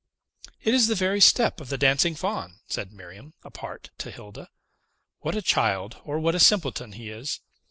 "It is the very step of the Dancing Faun," said Miriam, apart, to Hilda. "What a child, or what a simpleton, he is!